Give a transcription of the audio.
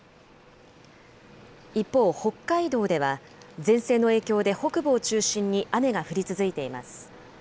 一方、北海道では前線の影響で北部を中心に雨が降り続いています。